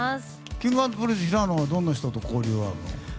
Ｋｉｎｇ＆Ｐｒｉｎｃｅの平野はどんな人と交流があるの？